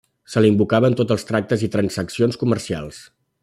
Se la invocava en tots els tractes i transaccions comercials.